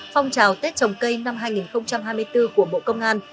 phong trào tết trồng cây năm hai nghìn hai mươi bốn của bộ công an